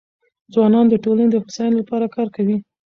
ځوانان د ټولنې د هوساینې لپاره کار کوي.